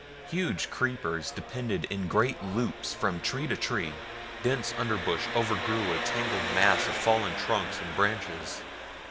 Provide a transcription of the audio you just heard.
Huge creepers depended in great loops from tree to tree, dense under brush overgrew a tangled mass of fallen trunks and branches.